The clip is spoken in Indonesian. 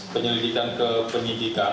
penyelidikan ke penyidikan